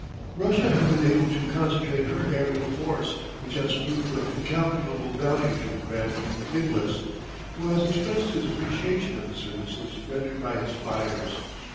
Russia has been able to concentrate her aerial force, which has proved of incalculable value to the Grand Duke Nicholas, who has expressed his appreciation of the services rendered by his fliers.